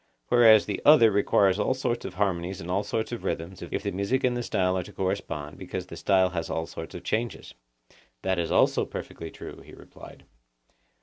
Whereas the other requires all sorts of harmonies and all sorts of rhythms, if the music and the style are to correspond, because the style has all sorts of changes. That is also perfectly true, he replied.